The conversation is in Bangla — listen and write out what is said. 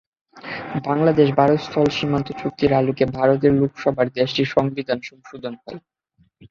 বাংলাদেশ-ভারত স্থল সীমান্ত চুক্তির আলোকে ভারতের লোকসভায় দেশটির সংবিধান সংশোধন হয়।